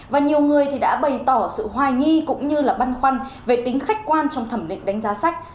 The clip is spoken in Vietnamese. và nhiều người thì đã bày tỏ sự hoài nghi cũng như là băn khoăn về tính khách quan trong thẩm định đánh giá sách